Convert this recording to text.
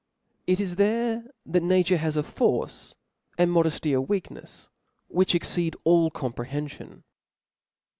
It is there that nature has a force, ^nd modefty a weaknefs, which exceeds all comprc (f)Collec. henfipn.